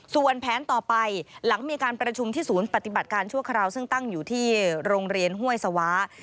ส่วนแผนต่อไปหลังมีการประชุมที่ศูนย์ปฏิบัติการชั่วคราวซึ่งตั้งอยู่ที่โรงเรียนห้วยสวา